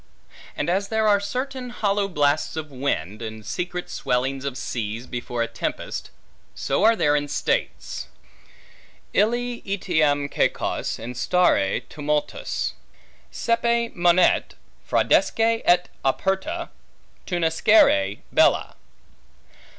And as there are certain hollow blasts of wind, and secret swellings of seas before a tempest, so are there in states: Ille etiam caecos instare tumultus Saepe monet, fraudesque et operta tunescere bella.